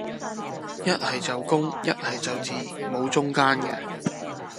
一係就公,一係就字,無中間架